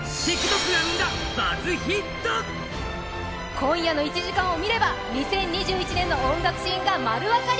今夜の１時間を見れば２０２１年の音楽シーンが丸わかり！